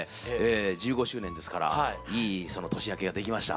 １５周年ですからいいその年明けができました。